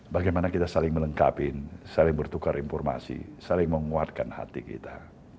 bagaimana kita saling melengkapi saling bertukar informasi saling menguatkan hati kita